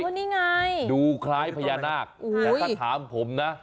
นี่ไงดูคล้ายพญานาคแต่ถ้าถามผมนะ